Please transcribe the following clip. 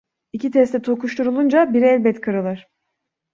İki testi tokuşturulunca biri elbet kırılır.